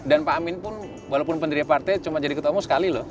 dan pak amin pun walaupun pendiri partai cuma jadi ketua umum sekali loh